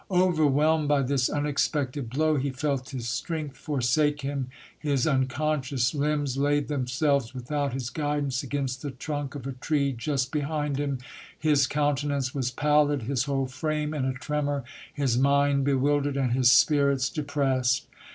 Overwhelmed by this unexpected blow, he felt his strength forsake him. His unconscious limbs laid themselves without his guidance against the trunk of a tree just behind him. His coun tenance was pallid, his whole frame in a tremor, his mind bewildered and his spirits depressed.